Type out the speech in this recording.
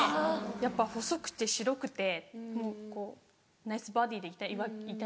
やっぱ細くて白くてもうこうナイスボディーでいたい。